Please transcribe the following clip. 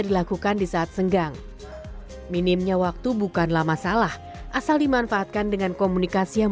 dilakukan di saat senggang minimnya waktu bukanlah masalah asal dimanfaatkan dengan komunikasi yang